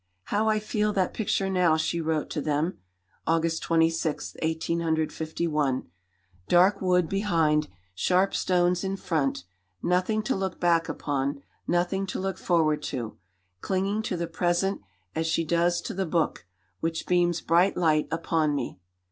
"How I feel that picture now," she wrote to them (August 26, 1851), "dark wood behind, sharp stones in front, nothing to look back upon, nothing to look forward to, clinging to the present as she does to the book, which beams bright light upon me.